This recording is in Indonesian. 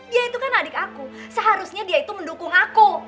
dia itu kan adik aku seharusnya dia itu mendukung aku